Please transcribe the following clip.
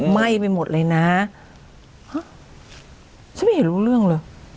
ไหม้ไปหมดเลยนะฉันไม่เห็นรู้เรื่องเลย